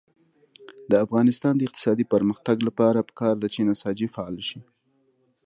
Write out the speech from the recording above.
د افغانستان د اقتصادي پرمختګ لپاره پکار ده چې نساجي فعاله شي.